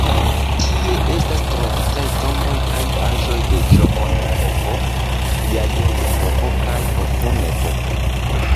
Tie estas trovitaj tomboj kaj aĵoj de Ĵomon-epoko, Jajoi-epoko kaj Kofun-epoko.